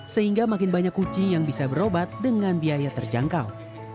sehingga makin banyak kuci yang bisa berobat dengan biaya terjangkau